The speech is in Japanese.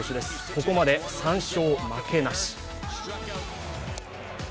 ここまで３勝負けなし。